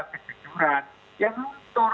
kejujuran yang luntur